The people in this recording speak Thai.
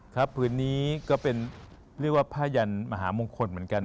ครับฟื้นนี้ก็เป็นชื่อว่าภายันมหามงคลเหมือนกัน